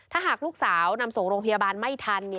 ถ้าหากลูกสาวนำส่งโรงพยาบาลไม่ทัน